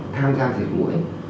tham gia dịch mũi